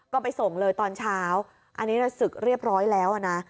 ก็ไปส่งเลยตอนเช้าอันนี้ศึกเรียบร้อยแล้วอ่ะนะ